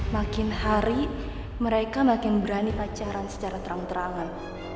makin hari mereka makin berani pacaran secara terang terangan